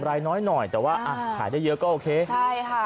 รายน้อยหน่อยแต่ว่าอ่ะขายได้เยอะก็โอเคใช่ค่ะ